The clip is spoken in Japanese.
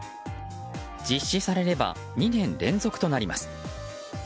実施されれば２年連続となります。